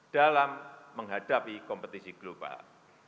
dalam menghadapi kompetisi global